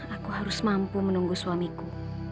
aku harus mampu menunggu suamiku